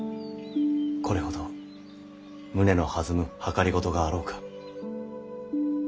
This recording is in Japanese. これほど胸の弾む謀があろうか。